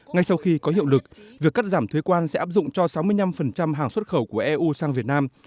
ngay sau khi có hiệu lực việc cắt giảm thuế quan sẽ áp dụng cho sáu mươi năm hàng xuất khẩu của eu sang việt nam